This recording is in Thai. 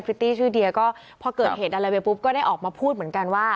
ิตตี้ชื่อเดียก็พอเกิดเหตุอะไรไปปุ๊บก็ได้ออกมาพูดเหมือนกันว่า